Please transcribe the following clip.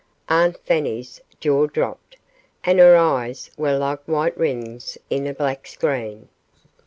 Aunt Fanny's jaw dropped, and her eyes were like white rings in a black screen.